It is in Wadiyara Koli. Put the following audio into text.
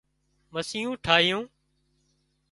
مسيون ٺاهيون